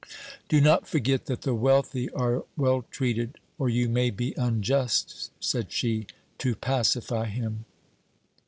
'Do not forget that the wealthy are well treated, or you may be unjust,' said she, to pacify him.